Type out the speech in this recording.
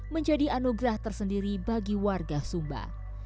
menjadi anugerah tersendiri bagi warga sumba